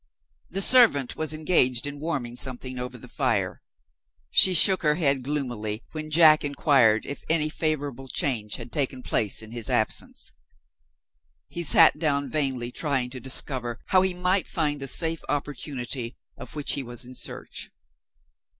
The servant was engaged in warming something over the fire. She shook her head gloomily, when Jack inquired if any favorable change had place in his absence. He sat down, vainly trying to discover how he might find the safe opportunity of which he was in search.